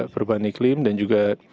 perubahan iklim dan juga